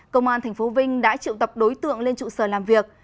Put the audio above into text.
công an tp vinh đã triệu tập đối tượng lên trụ sở làm việc